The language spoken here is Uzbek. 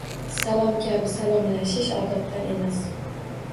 «Salom» kabi salomlashish odobdan emas;